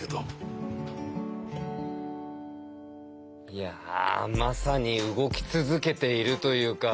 いやまさに動き続けているというか。